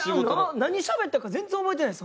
何しゃべったか全然覚えてないです